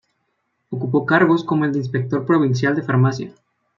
Ocupó cargos como el de Inspector Provincial de Farmacia.